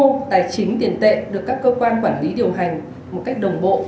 là chính tiền tệ được các cơ quan quản lý điều hành một cách đồng bộ